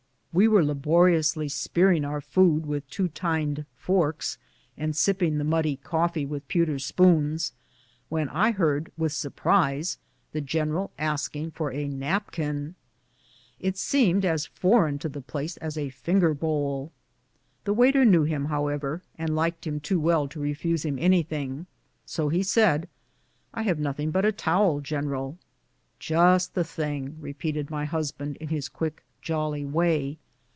We were laboriously spearing our food with two tined forks, and sipping the muddy coffee with a pewter spoon, when I heard with surprise the general asking for a napkin. It seemed as foreign to the place as a flnger bowl. The waiter knew him, however, and liked him too well to refuse him anything; so he said, *' I have nothing but a towel, general." " Just the thing, just the thing," repeated my husband, in his quick, jol ly way.